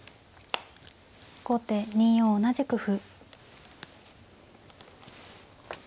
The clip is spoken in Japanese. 後手２四同じく歩。